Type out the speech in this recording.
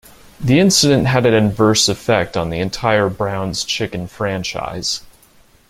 The incident had an adverse effect on the entire Brown's Chicken franchise.